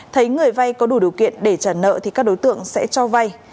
thấy người vay có đủ điều kiện để trả nợ thì các đối tượng sẽ cho vay